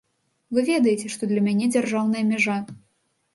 Вы ведаеце, што для мяне дзяржаўная мяжа.